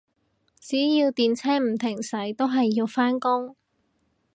只要電車唔停駛，都係要返工